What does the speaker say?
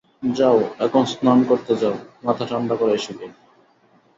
যাও, এখন স্নান করতে যাও, মাথা ঠাণ্ডা করে এসোগে।